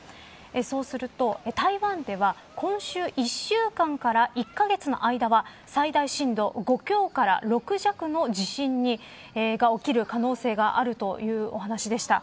そうすると、台湾では今週１週間から１カ月の間は最大震度５強から６弱の地震に起こる可能性があるというお話でした。